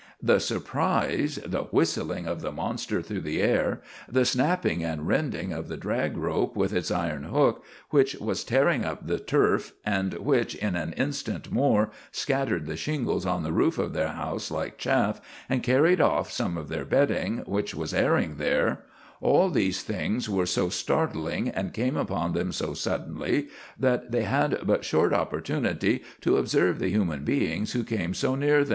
The surprise, the whistling of the monster through the air, the snapping and rending of the drag rope with its iron hook, which was tearing up the turf, and which in an instant more scattered the shingles on the roof of their house like chaff, and carried off some of their bedding which was airing there all these things were so startling, and came upon them so suddenly, that they had but short opportunity to observe the human beings who came so near them.